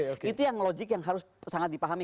ini adalah hal yang logik yang harus sangat dipahami